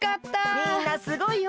みんなすごいよ！